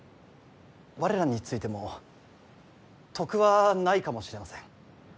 我らについても得はないかもしれません。